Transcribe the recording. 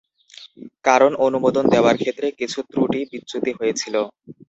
কারণ অনুমোদন দেওয়ার ক্ষেত্রে কিছু ত্রুটি বিচ্যুতি হয়েছিল।